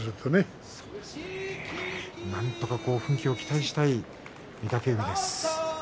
なんとか奮起を期待したい御嶽海です。